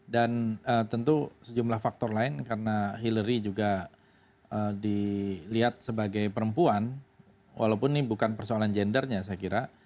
dan tentu sejumlah faktor lain karena hillary juga dilihat sebagai perempuan walaupun ini bukan persoalan gendernya saya kira